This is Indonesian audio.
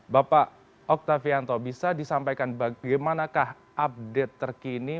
bapak oktavianto bisa disampaikan bagaimanakah update terkini